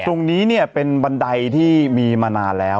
ตรงนี้เนี่ยเป็นบันไดที่มีมานานแล้ว